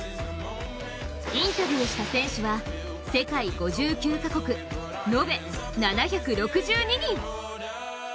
インタビューした選手は世界５９か国、延べ７６２人。